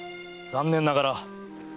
残念ながら。